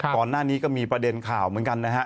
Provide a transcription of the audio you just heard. ก่อนหน้านี้ก็มีประเด็นข่าวเหมือนกันนะฮะ